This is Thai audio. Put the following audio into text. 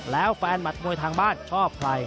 แล้วแฟนหมัดมวยทางบ้านชอบใคร